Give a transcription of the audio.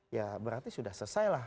ya berarti sudah selesai lah